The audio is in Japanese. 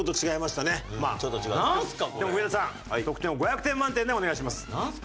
でも上田さん得点を５００点満点でお願いします。